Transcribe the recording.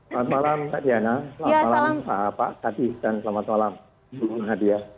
selamat malam pak tiana selamat malam pak hadis dan selamat malam bu nadia